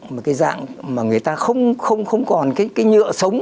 một cái dạng mà người ta không còn cái nhựa sống